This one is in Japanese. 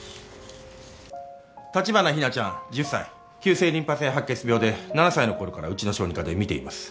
立花日菜ちゃん１０歳急性リンパ性白血病で７歳の頃からうちの小児科で診ています。